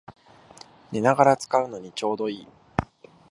寝ながら使うのにちょうどいい